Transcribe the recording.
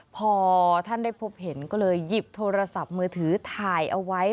พอท่านได้พบเห็นก็เลยหยิบโทรศัพท์มือถือถ่ายเอาไว้